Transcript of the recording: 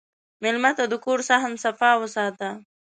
مېلمه ته د کور صحن صفا وساته.